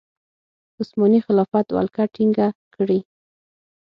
عثماني خلافت ولکه ټینګه کړي.